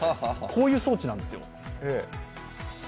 こういう装置なんですよ。